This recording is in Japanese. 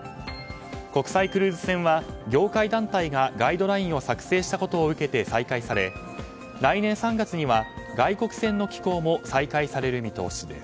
国際クルーズ船は業界団体がガイドラインを作成したことを受けて再開され来年３月には外航船の寄港も再開される見通しです。